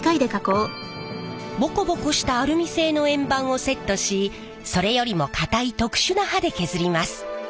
ボコボコしたアルミ製の円盤をセットしそれよりも硬い特殊な刃で削ります。